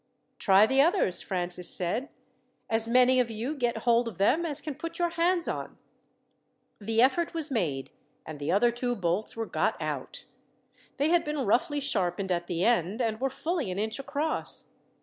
"Try the others," Francis said. "As many of you get hold of them as can put your hands on." The effort was made, and the other two bolts were got out. They had been roughly sharpened at the end, and were fully an inch across.